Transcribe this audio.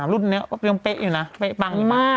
รุ่นนี้ยังเป๊ะอยู่นะเป๊ะปังมาก